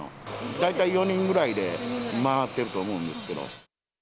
大体４人ぐらいで回ってると思うんですけど。